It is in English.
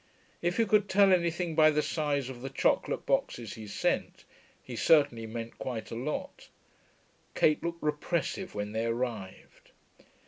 If you could tell anything by the size of the chocolate boxes he sent, he certainly meant quite a lot. Kate looked repressive when they arrived.